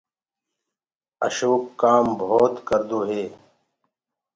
اشوڪ ڪآم ڀوت ڪردو هي۔